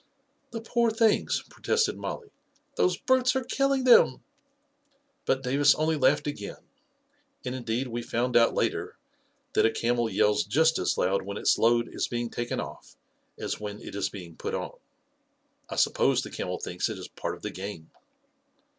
41 The poor things !" protested Mollie. " Those brutes are killing them 1 " But Davis only laughed again; and indeed we found out later that a camel yells just as loud when its load is being taken off as when it is being put on. I suppose the camel thinks it is part of the game